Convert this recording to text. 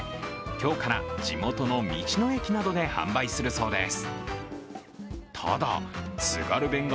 今日から地元の道の駅などで販売するそうです。